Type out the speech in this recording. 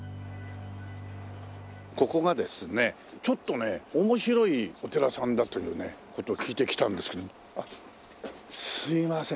ここがですねちょっとね面白いお寺さんだというね事を聞いてきたんですけども。